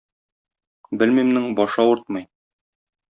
"белмим"нең башы авыртмый.